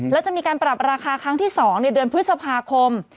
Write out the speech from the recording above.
และจะมีการปรับราคาครั้งที่๒ในเดือนพฤษภาคม